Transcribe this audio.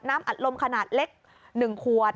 อัดลมขนาดเล็ก๑ขวด